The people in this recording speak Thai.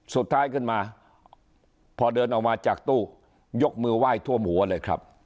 สุดท้ายขึ้นมาพอเดินออกมาจากตู้ยกมือไหว้ท่วมหัวเลยครับ